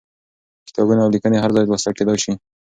کتابونه او ليکنې هر ځای لوستل کېدای شي.